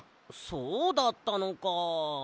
そうだったのか。